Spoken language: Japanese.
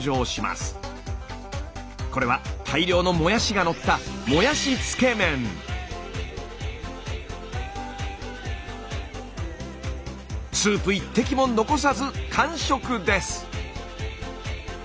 これは大量のもやしがのったスープ１滴も残さず完食です！